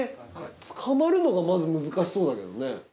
つかまるのがまず難しそうだけどね。